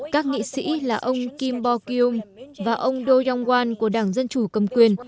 các nghị sĩ là ông kim bo kyung và ông do yong wan của đảng dân chủ cầm quyền